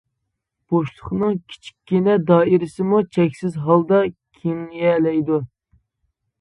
بوشلۇقنىڭ كىچىككىنە دائىرىسىمۇ چەكسىز ھالدا كېڭىيەلەيدۇ.